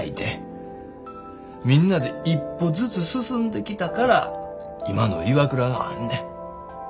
みんなで一歩ずつ進んできたから今のＩＷＡＫＵＲＡがあんねん。